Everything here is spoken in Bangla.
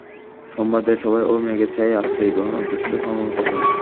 সম্প্রদায়ের সবাই ঐ মেঘের ছায়ায় আশ্রয় গ্রহণের উদ্দেশ্যে সমবেত হয়।